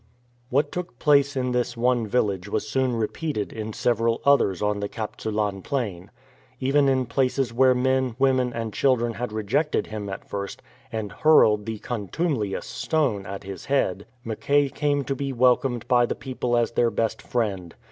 What took place in this one village was soon repeated in several others on the Kap tsu lan plain. Even in places where men, women, and children had rejected him at first and hurled " the contumelious stone '*'' at his head, Mackay came to be welcomed by the people as their best friend.